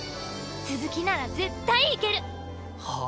すずきなら絶対行ける！はあ？